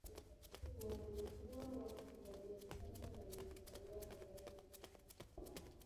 Walikuwa wafanyabiashara na mabaharia hodari sana.